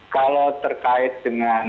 kalau terkait dengan